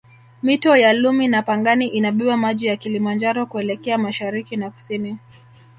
Mito ya Lumi na Pangani inabeba maji ya Kilimanjaro kuelekea mashariki na kusini